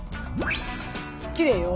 きれいよ。